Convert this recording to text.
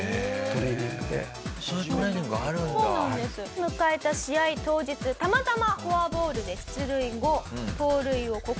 迎えた試合当日たまたまフォアボールで出塁後盗塁を試みます。